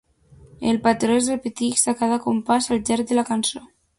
El patró es repeteix a cada compàs al llarg de la cançó.